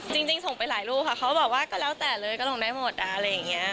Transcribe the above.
จริงส่งไปหลายรูปค่ะเขาก็บอกว่าก็แล้วแต่เลยก็ลงได้หมดอะไรอย่างนี้